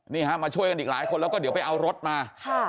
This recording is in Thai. นี่ฮะมาช่วยกันอีกหลายคนแล้วก็เดี๋ยวไปเอารถมา